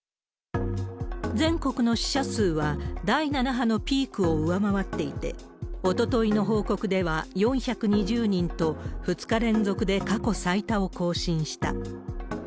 全国の死者数は、第７波のピークを上回っていて、おとといの報告では４２０人と、２日連続で過去最多を更新した。